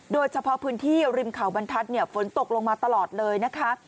โดยเฉพาะพื้นที่ริมเขาบรรทัศน์ฝนตกลงมาตลอดเลยนะคะ